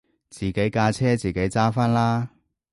自己架車自己揸返啦